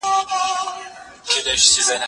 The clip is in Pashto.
زه اجازه لرم چي لوبه وکړم!؟